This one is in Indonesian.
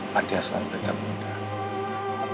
pantiasuhan pelita bunda